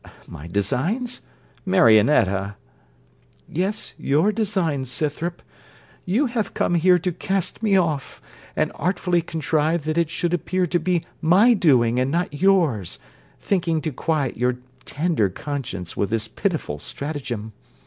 'My designs? Marionetta!' 'Yes, your designs, Scythrop. You have come here to cast me off, and artfully contrive that it should appear to be my doing, and not yours, thinking to quiet your tender conscience with this pitiful stratagem.